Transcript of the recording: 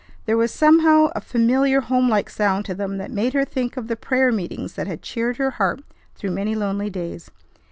There was somehow a familiar, home like sound to them that made her think of the prayer meetings that had cheered her heart through many lonely days.